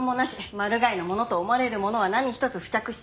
マル害のものと思われるものは何一つ付着していない。